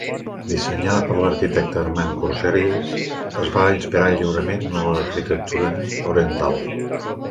Dissenyada per l'arquitecte Armand Corcelles, es va inspirar lliurement en l'arquitectura oriental.